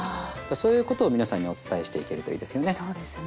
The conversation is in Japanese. そういうことを皆さんにお伝えしていけるといいですよね。